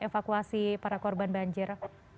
evakuasi para korban banjir